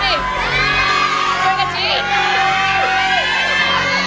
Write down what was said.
เมื่อสักครู่นี้ถูกต้องทั้งหมด